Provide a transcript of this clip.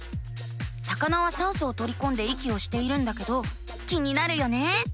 魚は酸素をとりこんで息をしているんだけど気になるよね。